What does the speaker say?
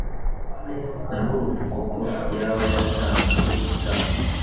narwo ruvugwa ko yaba yaratanzweho igitambo